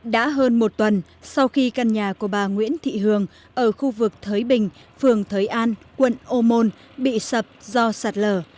đã hơn một tuần sau khi căn nhà của bà nguyễn thị hường ở khu vực thới bình phường thới an quận ô môn bị sập do sạt lở